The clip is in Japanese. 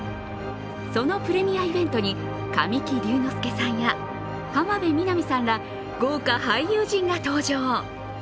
そのプレミアイベントに神木隆之介さんや、浜辺美波さんら豪華俳優陣が登場。